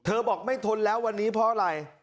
บอกไม่ทนแล้ววันนี้เพราะอะไร